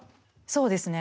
そうですね。